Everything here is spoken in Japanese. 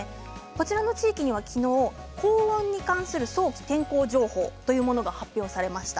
この地域には昨日高温に関する早期天候情報というものが発表されました。